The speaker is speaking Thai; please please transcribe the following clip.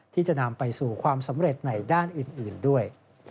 ที่จะนำไปสู่ความสำเร็จในด้านอื่นด้วย